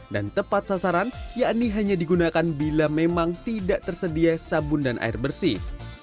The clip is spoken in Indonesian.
dan tepat sasaran yakni hanya digunakan bila memang tidak tersedia sabun dan air bersih